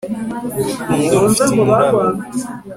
urukundo rufite umuraba